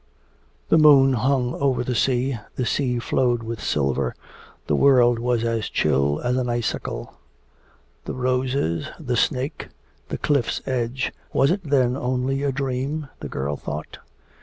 The moon hung over the sea, the sea flowed with silver, the world was as chill as an icicle. 'The roses, the snake, the cliff's edge, was it then only a dream?' the girl thought.